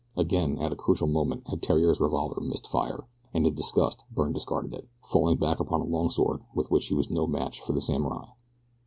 Again, at a crucial moment, had Theriere's revolver missed fire, and in disgust Byrne discarded it, falling back upon the long sword with which he was no match for the samurai.